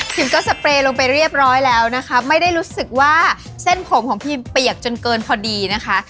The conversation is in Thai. ก็สเปรย์ลงไปเรียบร้อยแล้วนะคะไม่ได้รู้สึกว่าเส้นผมของพิมเปียกจนเกินพอดีนะคะ